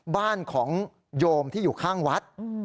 บ้านของโยมที่อยู่ข้างวัด